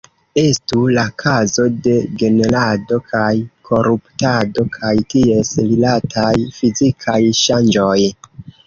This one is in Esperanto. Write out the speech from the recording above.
Estu la kazo de generado kaj koruptado kaj ties rilataj fizikaj ŝanĝoj.